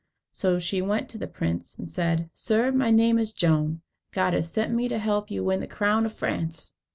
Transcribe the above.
So she went to the prince, and said: "Sir, my name is Joan. God has sent me to help you to win the crown of France."